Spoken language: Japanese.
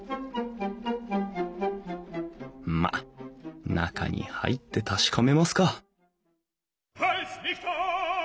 まっ中に入って確かめますか